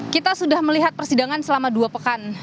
kita sudah melihat persidangan selama dua pekan